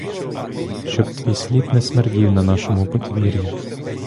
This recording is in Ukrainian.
Щоб твій слід не смердів на нашому подвір'ї.